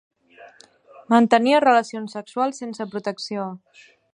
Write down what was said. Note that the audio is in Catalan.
Mantenia relacions sexuals sense protecció.